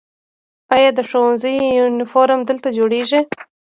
آیا د ښوونځي یونیفورم دلته جوړیږي؟